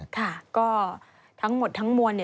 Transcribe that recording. ค่ะก็ทั้งหมดทั้งมวล